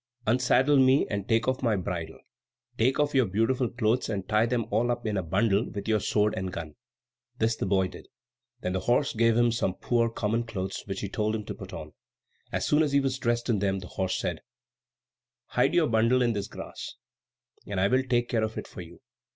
"Unsaddle me and take off my bridle; take off your beautiful clothes and tie them all up in a bundle with your sword and gun." This the boy did. Then the horse gave him some poor, common clothes, which he told him to put on. As soon as he was dressed in them the horse said, "Hide your bundle in this grass, and I will take care of it for you.